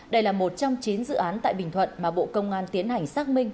đây là một trong chín dự án tại bình thuận mà bộ công an tiến hành xác minh